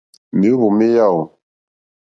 Mèóhwò mé yáò.